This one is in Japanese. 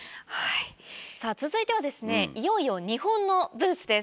さぁ続いてはいよいよ日本のブースです。